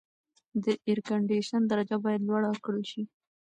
د اېرکنډیشن درجه باید لوړه کړل شي.